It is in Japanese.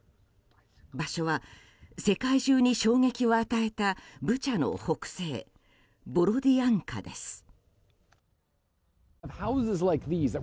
場所は世界中に衝撃を与えたブチャの北西ボロディアンカです。